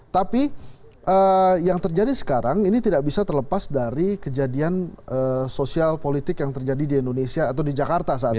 tapi yang terjadi sekarang ini tidak bisa terlepas dari kejadian sosial politik yang terjadi di indonesia atau di jakarta saat ini